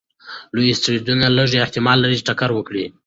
لوی اسټروېډونه لږ احتمال لري چې ټکر وکړي.